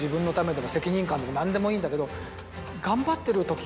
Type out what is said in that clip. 何でもいいんだけど。